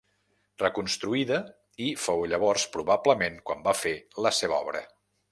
Reconstruïda i fou llavors probablement quan va fer la seva obra.